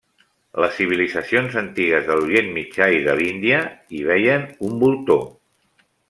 Les civilitzacions antigues de l'Orient Mitjà i de l'Índia hi veien un voltor.